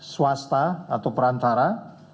swasta atau perantara